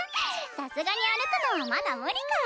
さすがに歩くのはまだ無理か。